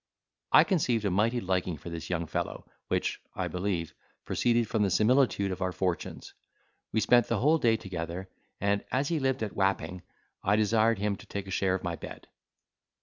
I conceived a mighty liking for this young fellow, which (I believe) proceeded from the similitude of our fortunes. We spent the whole day together; and as he lived at Wapping I desired him to take a share of my bed.